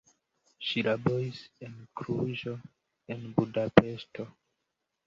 Ŝi laboris en Kluĵo, en Budapeŝto.